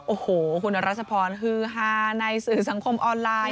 โอ้โหคุณรัชพรฮือฮาในสื่อสังคมออนไลน์